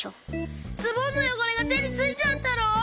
ズボンのよごれがてについちゃったの？